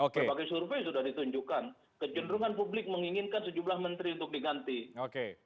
berbagai survei sudah ditunjukkan kecenderungan publik menginginkan sejumlah menteri untuk diganti